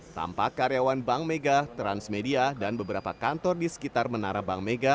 tampak karyawan bank mega transmedia dan beberapa kantor di sekitar menara bank mega